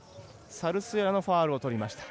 サルスエラのファウルをとりました。